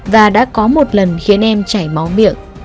và đã có một lần khiến em chảy máu miệng